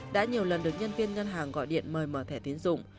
đã nhiều lần được nhân viên ngân hàng gọi điện mời mở thẻ tiến dụng